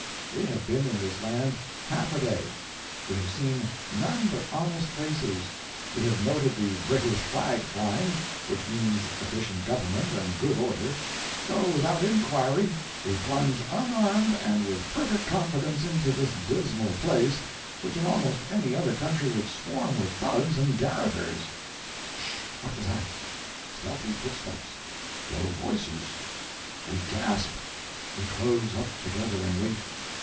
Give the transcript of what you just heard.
We have been in this land half a day; we have seen none but honest faces; we have noted the British flag flying, which means efficient government and good order; so without inquiry we plunge unarmed and with perfect confidence into this dismal place, which in almost any other country would swarm with thugs and garroters " 'Sh! What was that? Stealthy footsteps! Low voices! We gasp, we close up together, and wait.